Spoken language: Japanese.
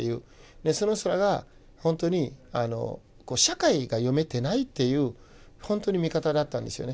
その人らがほんとに社会が読めてないっていうほんとに見方だったんですよね。